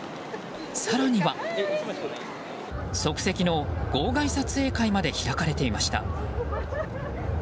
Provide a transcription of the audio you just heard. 更には即席の号外撮影会まで開かれていました。